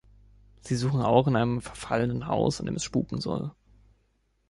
Sie suchen auch in einem verfallenen Haus, in dem es spuken soll.